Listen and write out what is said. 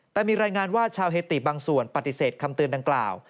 แต่มีรายงานว่าชาวเฮติบางส่วนปฏิเสธคำเตือนดังกล่าว